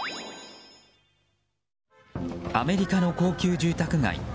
アメリカの高級住宅街